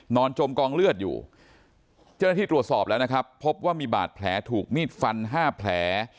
จมกองเลือดอยู่เจ้าหน้าที่ตรวจสอบแล้วนะครับพบว่ามีบาดแผลถูกมีดฟัน๕แผล